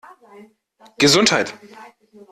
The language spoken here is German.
Gesundheit!